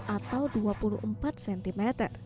dua puluh atau dua puluh empat cm